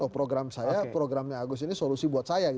program saya programnya agus ini solusi buat saya